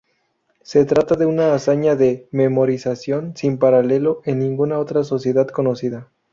Se trata de una hazaña de memorización sin paralelo en ninguna otra sociedad conocida.